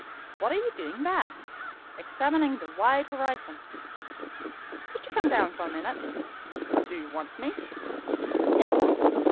"What are you doing there?" "Examining the wide horizon." "Could you come down for a minute?" "Do you want me?" "Yes."